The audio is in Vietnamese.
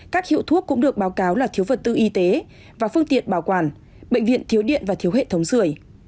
các hiệu thuốc cũng được báo cáo là thiếu vật tư y tế và phương tiện bảo quản bệnh viện thiếu điện và thiếu hệ thống sửa